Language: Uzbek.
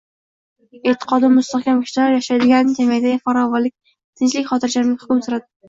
E’tiqodi mustahkam kishilar yashaydigan jamiyatda farovonlik, tinchlik-xotirjamlik hukm suradi.